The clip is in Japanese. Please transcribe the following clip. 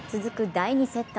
第２セット。